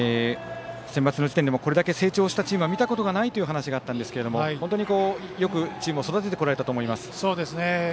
センバツの時点でこれだけ成長したチームは見たことがないという話があったんですが本当によくチームを育ててこられたと思います。